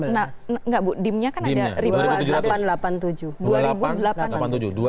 nggak bu dim nya kan ada